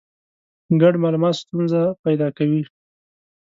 ګډ مالومات ستونزه پیدا کوي.